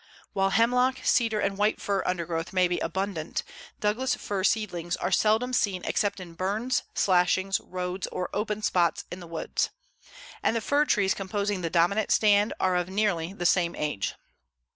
While hemlock, cedar and white fir undergrowth may be abundant, Douglas fir seedlings are seldom seen except in burns, slashings, roads, or open spots in the woods. And the fir trees composing the dominant stand are of nearly the same age.